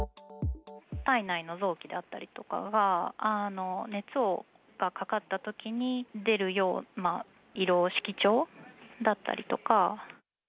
体内の臓器だったりとかが、熱がかかったときに出るような色、色調だったりとか。